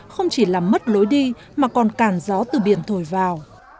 không chỉ làm mất lối đi mà còn cản gió từ biển thổi vào